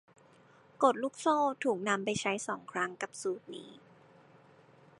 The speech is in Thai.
กฎลูกโซ่ถูกนำไปใช้สองครั้งกับสูตรนี้